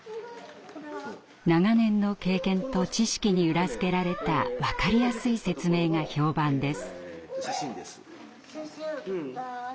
長年の経験と知識に裏付けられた分かりやすい説明が評判です。